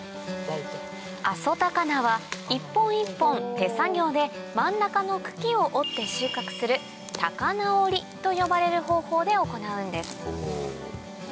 阿蘇高菜は一本一本手作業で真ん中の茎を折って収穫すると呼ばれる方法で行うんです